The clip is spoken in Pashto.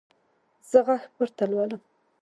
زه غږ پورته لولم.